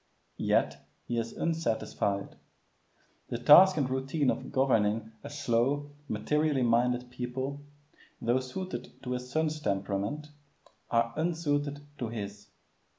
Yet he is unsatisfied. The task and routine of governing a slow, materially minded people, though suited to his son's temperament, are unsuited to his.